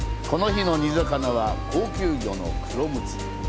この日の煮魚は、高級魚のクロムツ。